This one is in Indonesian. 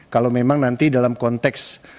kalau memang nanti dalam konteks